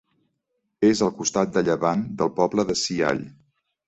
És al costat de llevant del poble de Siall.